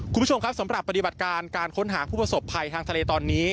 คุณผู้ชมครับสำหรับปฏิบัติการการค้นหาผู้ประสบภัยทางทะเลตอนนี้